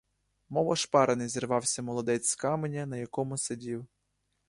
Мов ошпарений зірвався молодець з каменя, на якому сидів.